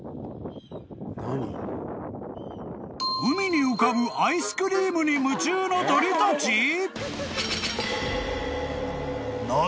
［海に浮かぶアイスクリームに夢中の鳥たち！？］